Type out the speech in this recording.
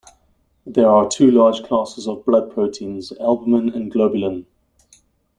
There are two large classes of blood proteins: albumin and globulin.